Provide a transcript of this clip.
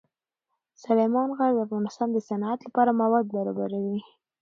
سلیمان غر د افغانستان د صنعت لپاره مواد برابروي.